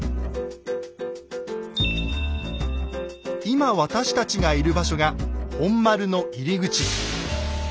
今私たちがいる場所が本丸の入り口。